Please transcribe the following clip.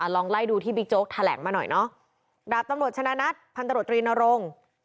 ลองไล่ดูที่บิ๊กโจ๊กแถลงมาหน่อยเนอะดาบตำรวจชนะนัทพันตรวจตรีนรงค์